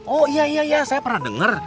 oh iya iya iya saya pernah denger